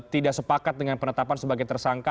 tidak sepakat dengan penetapan sebagai tersangka